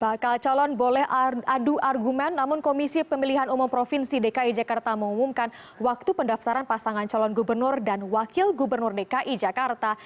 bakal calon boleh adu argumen namun komisi pemilihan umum provinsi dki jakarta mengumumkan waktu pendaftaran pasangan calon gubernur dan wakil gubernur dki jakarta